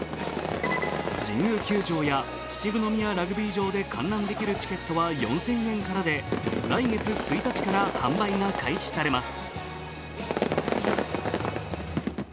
神宮球場や秩父宮ラグビー場で観覧できるチケットは４０００円からで、来月１日から販売が開始されます。